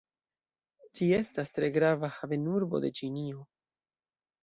Ĝi estas tre grava havenurbo de Ĉinio.